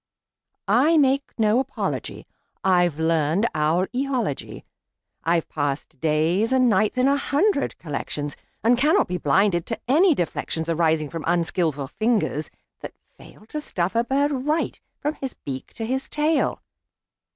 I make no apology; I've learned owl eology. I've passed days and nights in a hundred collections, And cannot be blinded to any deflections Arising from unskilful fingers that fail To stuff a bird right, from his beak to his tail.